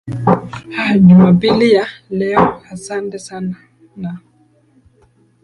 aa jumapili ya leo asante sana na